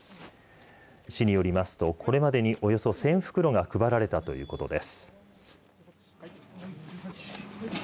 市によりますと、これまでにおよそ１０００袋が配られたということです。